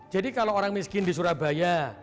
jadi kalau orang miskin di surabaya